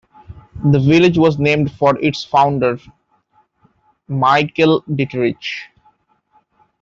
The village was named for its founder, Michael Dieterich.